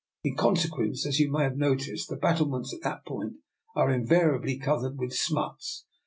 In consequence, as you may have noticed, the battlements at that point are invariably cov ered with smuts.